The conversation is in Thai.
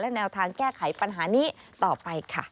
แนวทางแก้ไขปัญหานี้ต่อไปค่ะ